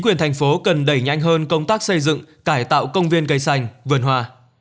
quyền thành phố cần đẩy nhanh hơn công tác xây dựng cải tạo công viên cây xanh vườn hoa